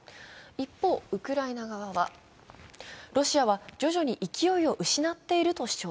一方、ウクライナ側は、ロシアは徐々に勢いを失っていると主張。